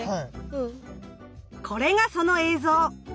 これがその映像！